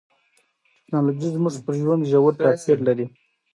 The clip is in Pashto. ټکنالوژي زموږ پر ژوند ژور تاثیر لري.